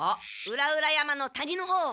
裏々山の谷のほうを。